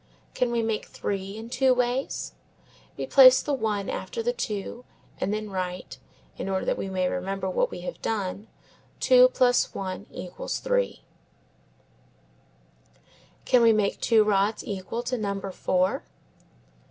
Can we make three in two ways? We place the one after the two and then write, in order that we may remember what we have done, 2+1=3. Can we make two rods equal to number four?